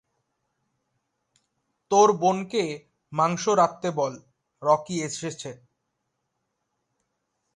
তোর বোনকে মাংস রাঁধতে বল, রকি এসেছে।